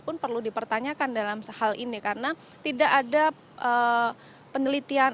pun perlu dipertanyakan dalam hal ini karena tidak ada penelitian